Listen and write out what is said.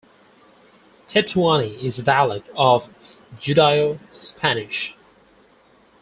Tetuani is a dialect of Judaeo-Spanish.